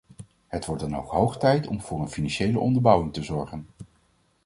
Het wordt dan ook hoog tijd om voor een financiële onderbouwing te zorgen.